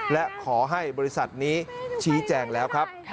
และขอให้บริษัทนี้ชี้แจงแล้วครับ